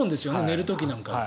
寝る時なんかは。